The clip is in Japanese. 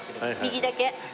右だけ。